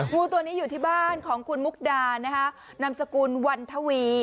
งูตัวนี้อยู่ที่บ้านของคุณมุกดานะคะนามสกุลวันทวี